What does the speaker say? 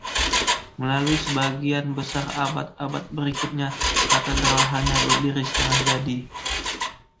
Melalui sebagian besar abad-abad berikutnya, katedral hanya berdiri setengah jadi.